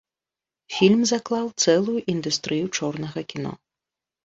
Фільм заклаў цэлую індустрыю чорнага кіно.